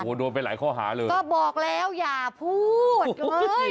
โอ้โหโดนไปหลายข้อหาเลยก็บอกแล้วอย่าพูดเอ้ย